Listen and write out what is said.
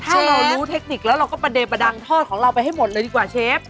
ถ้าเรารู้เทคนิคแล้วเราก็ประเดประดังทอดของเราไปให้หมดเลยดีกว่าเชฟ